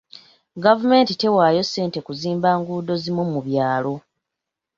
Gavumenti tewaayo ssente kuzimba nguudo zimu mu byalo